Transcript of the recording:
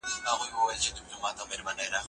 استاد شاګرد ته د موضوع په اړه یو لارښود ورکړ.